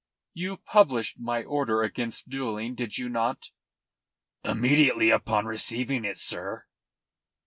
"You published my order against duelling, did you not?" "Immediately upon receiving it, sir."